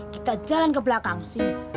kita jalan ke belakang sih